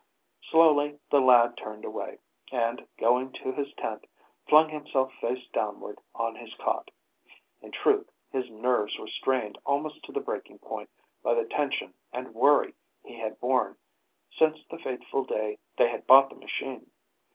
Slowly the lad turned away, and, going to his tent, flung himself face downward on his cot. In truth his nerves were strained almost to the breaking point by the tension and worry he had borne since the fateful day they had bought the machine.